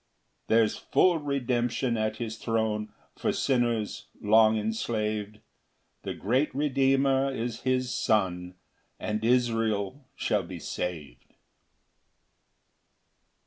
8 There's full redemption at his throne For sinners long enslav'd; The great Redeemer is his Son, And Israel shall be sav'd.